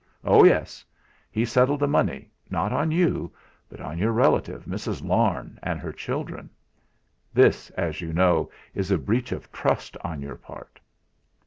Oh! yes. He settled the money, not on you, but on your relative Mrs. Larne and her children. This, as you know, is a breach of trust on your part."